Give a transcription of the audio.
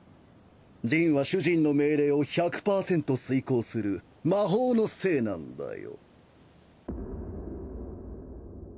ジンは主人の命令を１００パーセント遂行する魔法の精なんだよ。